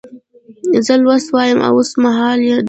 زه لوست وایم اوس مهال دی.